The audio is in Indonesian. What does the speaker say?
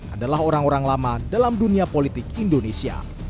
adalah orang orang lama dalam dunia politik indonesia